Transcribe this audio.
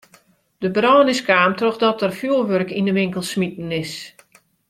De brân is kaam trochdat der fjoerwurk yn de winkel smiten is.